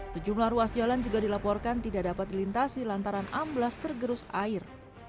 sejumlah ruas jalan juga dilaporkan tidak dapat dilintasi lantaran amblas tergerus air